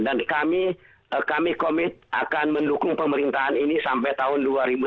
dan kami komit akan mendukung pemerintahan ini sampai tahun dua ribu sembilan belas